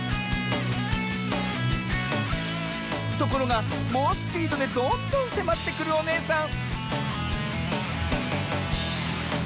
ところがもうスピードでどんどんせまってくるおねえさん